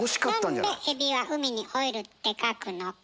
何でエビは「海」に「老」って書くのか？